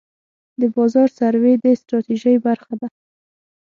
د بازار سروې د ستراتیژۍ برخه ده.